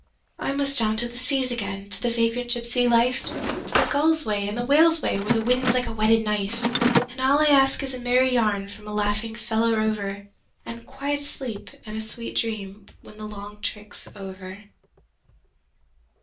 I must down to the seas again to the vagrant gypsy life. To the gull's way and the whale's way where the wind's like a whetted knife; And all I ask is a merry yarn from a laughing fellow rover, And quiet sleep and a sweet dream when the long trick's over.